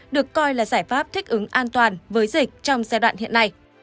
được coi là giải pháp thích ứng an toàn với dịch trong giai đoạn hiện nay